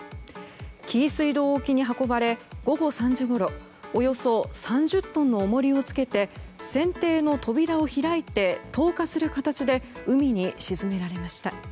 紀伊水道沖に運ばれ午後３時ごろおよそ３０トンの重りをつけて船底の扉を開いて投下する形で海に沈められました。